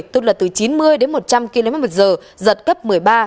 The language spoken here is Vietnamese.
tức là từ chín mươi đến một trăm linh kmh giật cấp một mươi ba